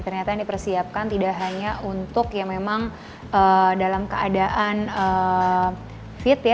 ternyata yang dipersiapkan tidak hanya untuk yang memang dalam keadaan fit ya